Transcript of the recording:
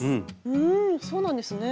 うんそうなんですね。